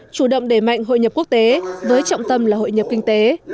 chủ động đẩy mạnh hội nhập quốc tế với trọng tâm là hội nhập kinh tế